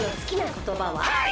はい！